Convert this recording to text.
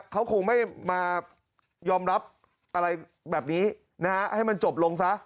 เขาคงไม่มายอมรับอะไรแบบนี้นะฮะให้มันจบลงซะ